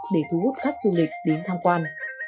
để thu hút khách du lịch đến tham quan